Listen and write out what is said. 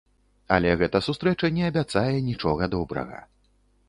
Але гэта сустрэча не абяцае нічога добрага.